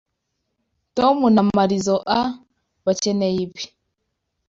Tom na Marizoa bakeneye ibi.